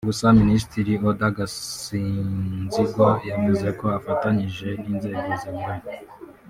Gusa Minisitiri Oda Gasinzigwa yavuze ko bafatanyije n’inzego zinyuranye